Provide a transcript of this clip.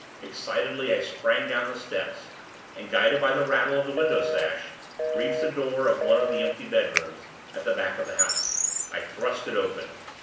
Excitedly, I sprang down the steps, and, guided by the rattle of the window sash, reached the door of one of the empty bedrooms, at the back of the house. I thrust it open.